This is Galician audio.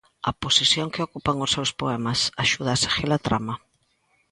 A posición que ocupan os seus poemas axuda a seguir a trama.